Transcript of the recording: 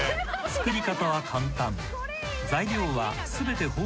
［作り方は簡単］